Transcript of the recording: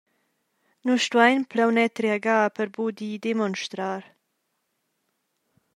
Nus stuein plaunet reagar per buca dir demonstrar.